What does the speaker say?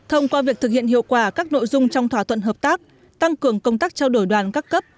học viện hiệu quả các nội dung trong thỏa thuận hợp tác tăng cường công tác trao đổi đoàn các cấp